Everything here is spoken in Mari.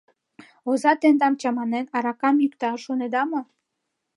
Оза, тендам чаманен, аракам йӱкта, шонеда мо?